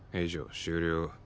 終了。